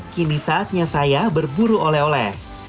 kini saatnya saya berburu oleh oleh